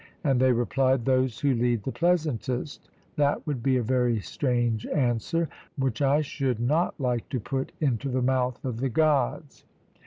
and they replied, Those who lead the pleasantest that would be a very strange answer, which I should not like to put into the mouth of the Gods.